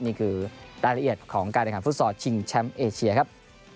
นี่คือรายละเอียดของการแข่งขันฟุตซอลชิงแชมป์เอเชียครับ